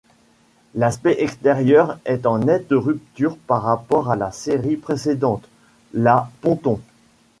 L’aspect extérieur est en nette rupture par rapport à la série précédente, la Ponton.